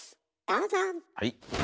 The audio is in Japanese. どうぞ。